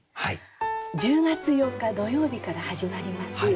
１０月８日土曜日から始まります